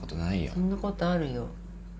そんなことあるよ。